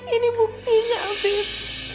ini buktinya afiq